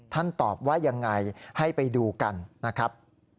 ตอบว่ายังไงให้ไปดูกันนะครับ